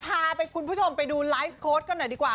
พาคุณผู้ชมไปดูไลฟ์โค้ดกันหน่อยดีกว่า